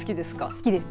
好きです。